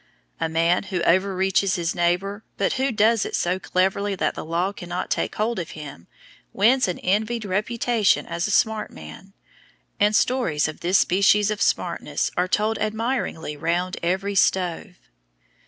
A man who overreaches his neighbor, but who does it so cleverly that the law cannot take hold of him, wins an envied reputation as a "smart man," and stories of this species of smartness are told admiringly round every stove.